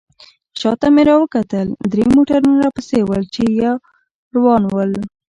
شاته مې راوکتل درې موټرونه راپسې ول، چې را روان ول.